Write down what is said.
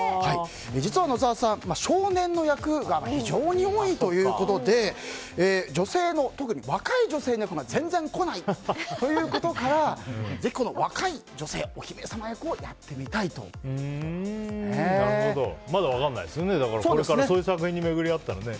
実は野沢さん、少年の役が非常に多いということで女性の、特に若い女性の役が全然来ないということから若い女性、お姫様役をやってみたいということですね。